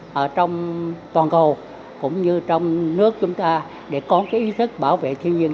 và trong toàn cầu cũng như trong nước chúng ta để có cái ý thức bảo vệ thiên nhiên